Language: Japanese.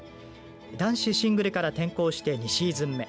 男子シングルから転向して２シーズン目。